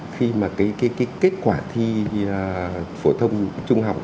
khi mà cái kết quả thi phổ thông trung học